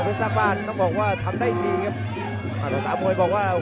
สร้างบ้านต้องบอกว่าทำได้ดีครับอ่าแต่สาวมวยบอกว่า